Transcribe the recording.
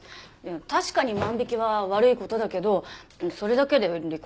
確かに万引きは悪い事だけどそれだけで離婚って。